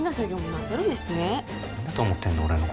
何だと思ってんの？